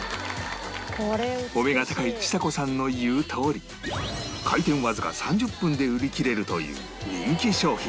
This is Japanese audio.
お目が高いちさ子さんの言うとおり開店わずか３０分で売り切れるという人気商品